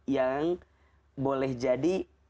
yang boleh jadi